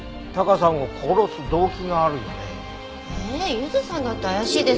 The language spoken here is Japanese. ゆずさんだって怪しいですよ。